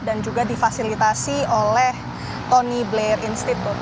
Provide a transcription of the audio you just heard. dan juga difasilitasi oleh tony blair institute